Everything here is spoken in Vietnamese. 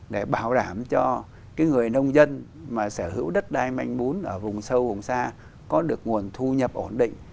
để bảo đảm cho cái người nông dân mà sở hữu đất đai manh bún ở vùng sâu vùng xa có được nguồn thu nhập ổn định